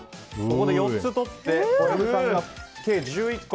４つ取って小籔さんが計１１個。